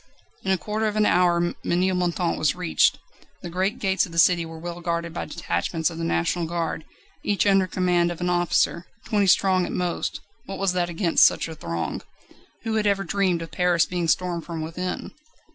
In a quarter of an hour Ménilmontant was reached. The great gates of the city were well guarded by detachments of the National Guard, each under command of an officer. Twenty strong at most what was that against such a throng? Who had ever dreamed of Paris being stormed from within?